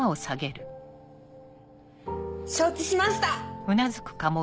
承知しました！